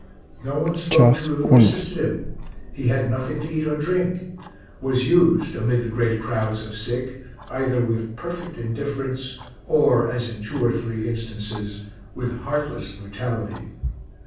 No one spoke to him or assisted him; he had nothing to eat or drink; was used (amid the great crowds of sick) either with perfect indifference, or, as in two or three instances, with heartless brutality.